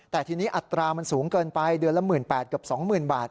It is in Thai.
แต่ทีนี้อัตรามันสูงเกินไปเดือนละ๑๘๐๐เกือบ๒๐๐๐บาท